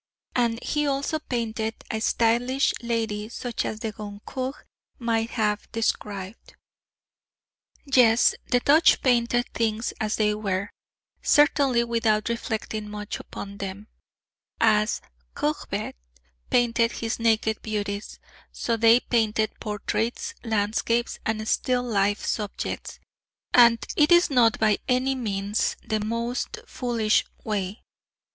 And he also painted a stylish lady such as the Goncourts might have described. Yes, the Dutch painted things as they were, certainly without reflecting much upon them; as Courbet painted his naked beauties, so they painted portraits, landscapes and still life subjects. And it is not by any means the most foolish way.